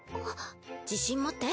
自信持って！